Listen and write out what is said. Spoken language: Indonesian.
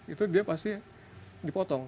itu dia pasti dipotong